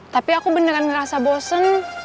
tapi aku beneran ngerasa bosen